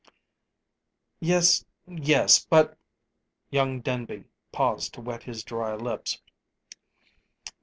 "Yes, yes, but " Young Denby paused to wet his dry lips.